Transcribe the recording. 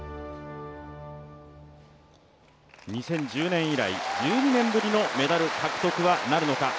２０１０年以来、１２年ぶりのメダル獲得はなるのか。